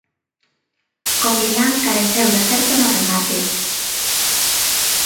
Co Milán careceu de acerto no remate.